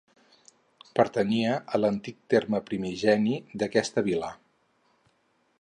Pertanyia a l'antic terme primigeni d'aquesta vila.